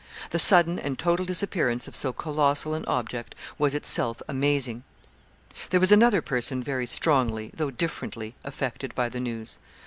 The sudden and total disappearance of so colossal an object was itself amazing. There was another person very strongly, though differently, affected by the news.